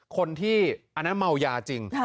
คนที่อันนั้นเมายาจริง